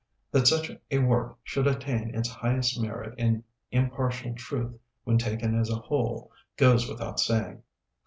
That such a work should attain its highest merit in impartial truth when taken as a whole, goes without saying.